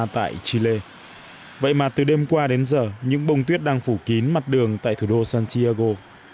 tại chile vậy mà từ đêm qua đến giờ những bông tuyết đang phủ kín mặt đường tại thủ đô santiago